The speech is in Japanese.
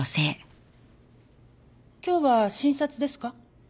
今日は診察ですか？